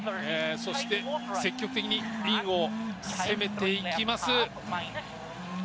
そして、積極的にインを攻めていきます。